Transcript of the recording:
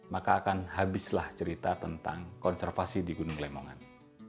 maka akan habislah cerita tentang konservasi di gunung lemongan